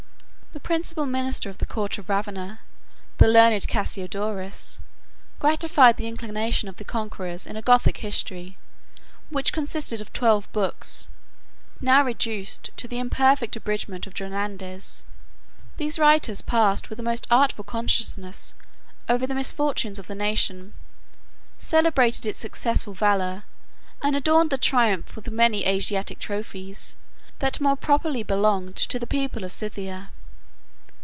The principal minister of the court of Ravenna, the learned Cassiodorus, gratified the inclination of the conquerors in a Gothic history, which consisted of twelve books, now reduced to the imperfect abridgment of Jornandes. 4 These writers passed with the most artful conciseness over the misfortunes of the nation, celebrated its successful valor, and adorned the triumph with many Asiatic trophies, that more properly belonged to the people of Scythia.